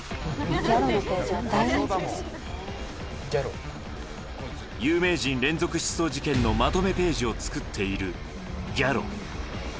ギャロのページは大人気です有名人連続失踪事件のまとめページを作っているギャロ。